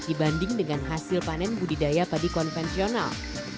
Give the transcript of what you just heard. dibanding dengan hasil panen budidaya padi konvensional